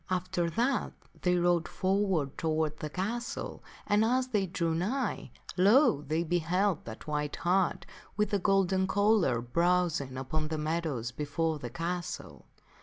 After that they rode forward toward that castle, and as they drew nigh, lo ! they beheld that white hart with the golden collar browsing upon the meadows before the castle.